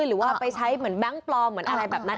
หรือว่าไปใช้เหมือนแบงค์ปลอมเหมือนอะไรแบบนั้น